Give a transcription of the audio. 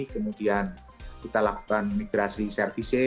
kemudian kita lakukan migrasi service